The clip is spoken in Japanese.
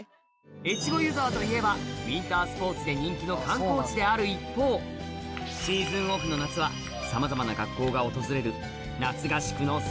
越後湯沢といえばウインタースポーツで人気の観光地である一方シーズンオフの夏はさまざまな学校が訪れる